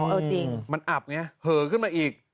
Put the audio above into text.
อ๋อเออจริงมันอับใหน่ะเผลอขึ้นมาอีก